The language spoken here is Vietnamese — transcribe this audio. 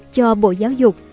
cho bộ giáo dục